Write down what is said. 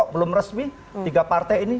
belum resmi tiga partai ini